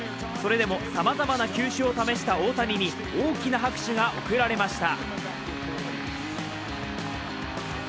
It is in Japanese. それでもさまざまな球種を試した大谷に大きな拍手が送られました。